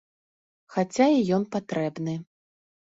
Хаця і ён патрэбны.